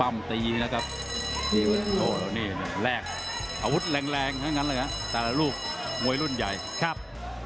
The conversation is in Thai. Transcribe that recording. โอ้โหจากวันนี้กระโดดตับลงเลยครับ